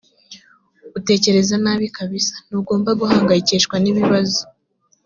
utekereza nabi kabisa.ntugomba guhangayikishwa nibibazo.